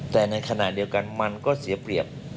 แต่ในขณะเดียวกันมันก็เสียเปรียบ